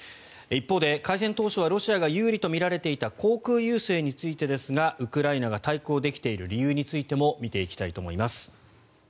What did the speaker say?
一方で開戦当初はロシアが有利とみられていた航空優勢についてですがウクライナが対抗できている理由についても見ていきたいと思います。